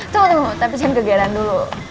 tunggu tunggu tapi jangan kegiatan dulu